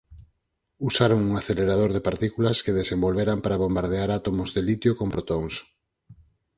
Usaron un acelerador de partículas que desenvolveran para bombardear átomos de litio con protóns.